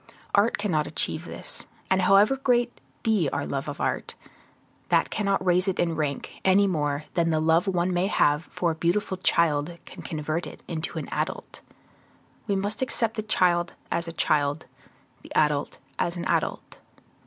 Art cannot achieve this; and however great be our love of art, that cannot raise it in rank, any more than the love one may have for a beautiful child can convert it into an adult. We must accept the child as a child, the adult as an adult.